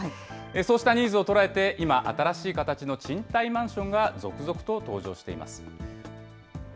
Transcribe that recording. そうしたニーズを捉えて、今、新しい形の賃貸マンションが続々と登場しています。